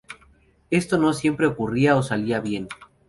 Esto no siempre ocurría o salía bien.